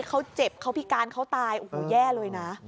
เขาเจ็บเขาพิการเขาตายโอ้โหแย่เลยนะ